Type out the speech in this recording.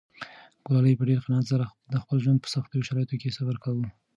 ګلالۍ په ډېر قناعت سره د خپل ژوند په سختو شرایطو کې صبر کاوه.